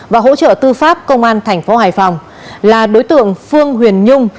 và hỗ trợ tư pháp công an thành phố hải phòng là đối tượng phương huyền nhung